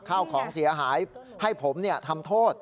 ข้าวของเสียหายให้ผมทำโทษ